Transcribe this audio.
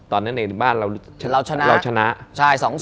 ตอนนั้นในบ้านเราเราชนะใช่๒๐